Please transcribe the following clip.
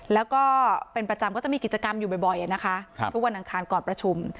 แล้วก็เป็นประจำก็จะมีกิจกรรมอยู่บ่อยนะคะทุกวันอังคารก่อนประชุม